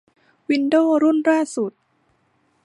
วินโดวส์รุ่นล่าสุด